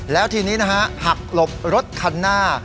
แล้วทีนี้นะฮะหักหลบรถคันหน้า